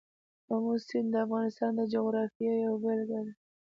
آمو سیند د افغانستان د جغرافیې یوه بېلګه ده.